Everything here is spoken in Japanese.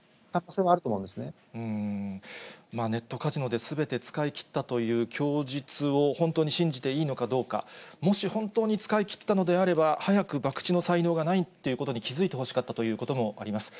ネットカジノですべて使い切ったという供述を本当に信じていいのかどうか、もし本当に使い切ったのであれば、早く博打の才能がないってことに気付いてほしかったということもあります。